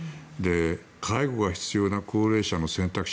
介護が必要な高齢者の選択肢